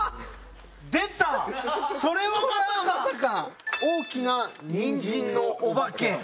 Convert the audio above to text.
それはまさか・「大きなニンジンのおばけ」